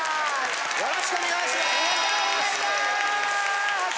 よろしくお願いします。